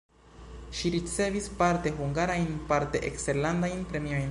Ŝi ricevis parte hungarajn, parte eksterlandajn premiojn.